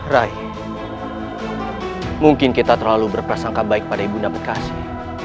rai mungkin kita terlalu berprasangka baik pada ibu nabi kasih